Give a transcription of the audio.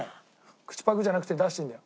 口パクじゃなくて出していいんだよ。